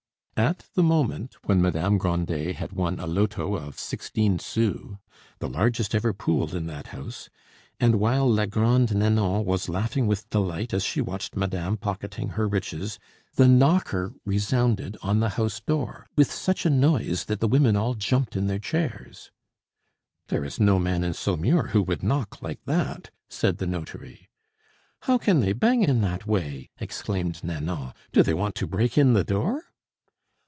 At the moment when Madame Grandet had won a loto of sixteen sous, the largest ever pooled in that house, and while la Grande Nanon was laughing with delight as she watched madame pocketing her riches, the knocker resounded on the house door with such a noise that the women all jumped in their chairs. "There is no man in Saumur who would knock like that," said the notary. "How can they bang in that way!" exclaimed Nanon; "do they want to break in the door?"